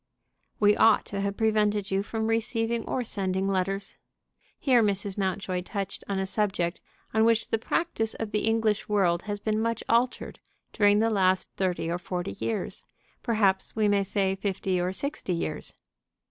"We ought to have prevented you from receiving or sending letters." Here Mrs. Mountjoy touched on a subject on which the practice of the English world has been much altered during the last thirty or forty years; perhaps we may say fifty or sixty years.